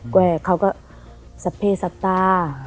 เขาก็สะเพชต์สตา